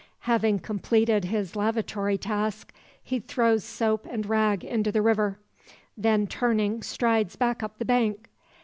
Having completed his lavatory task, he throws soap and rag into the river; then, turning, strides back up the bank.